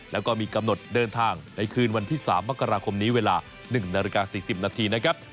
แล้วก็มีกำหนดเดินทางในคืนวันที่๓มกราคมนี้เวลา๑นาฬิกา๔๐นาทีนะครับ